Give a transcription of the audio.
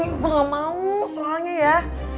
gue gak mau soalnya ya